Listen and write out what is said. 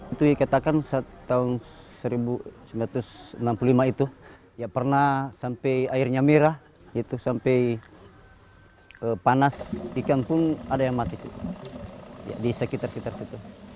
itu dikatakan tahun seribu sembilan ratus enam puluh lima itu ya pernah sampai airnya merah sampai panas ikan pun ada yang mati di sekitar sekitar situ